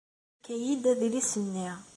Yefka-yi-d adlis-nni.